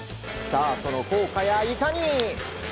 その効果やいかに。